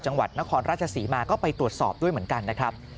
จังหวัดนครราชศรีมาก็ไปตรวจสอบด้วยเหมือนกันนะครับ